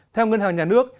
theo ngân hàng nhà nước